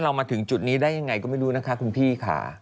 มาถึงจุดนี้ได้ยังไงก็ไม่รู้นะคะคุณพี่ค่ะ